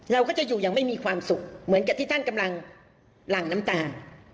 เราก็จะอยู่อย่างไม่มีความสุขเหมือนกับที่ท่านกำลังหลั่งน้ำตา